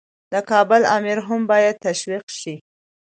د کابل امیر هم باید تشویق شي.